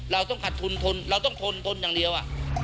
เราต้องขัดทุนทนเราต้องทนทนอย่างเดียว